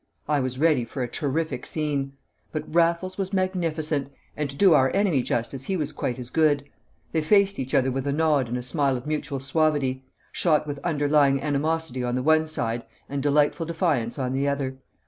I was ready for a terrific scene. But Raffles was magnificent, and to do our enemy justice he was quite as good; they faced each other with a nod and a smile of mutual suavity, shot with underlying animosity on the one side and delightful defiance on the other.